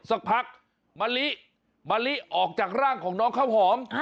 สักพักมะลิมะลิออกจากร่างของน้องข้าวหอม